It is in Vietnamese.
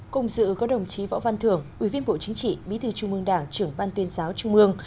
cùng dự có đồng chí võ văn thường ủy viên bộ chính trị bí thư trung mương đảng trưởng ban tuyên giáo trung mương